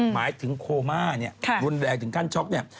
หมายถึงโคม่าเนี่ยรุนแรงถึงขั้นช็อกเนี่ย